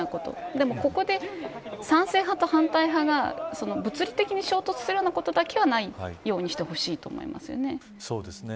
でも、ここで賛成派と反対派が物理的に衝突することだけはないようにしてほしいと思いますよね。